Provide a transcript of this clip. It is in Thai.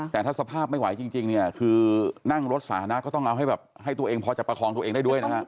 แต่ถ้าสภาพไม่ไหวจริงคือนั่งรถสานะก็ต้องเอาให้ตัวเองพอจะประคองตัวเองได้ด้วยนะคะ